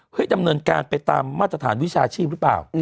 ดำเนินการไปตามมาตรฐานวิชาชีพหรือเปล่า